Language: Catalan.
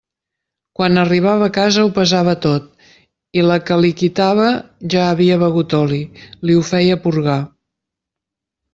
Quan arribava a casa ho pesava tot, i la que li quitava ja havia begut oli, li ho feia purgar.